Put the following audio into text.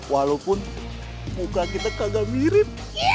walaupun muka kita agak mirip